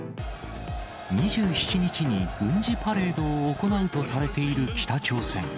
２７日に軍事パレードを行うとされている北朝鮮。